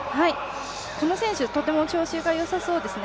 この選手とても調子が良さそうですね。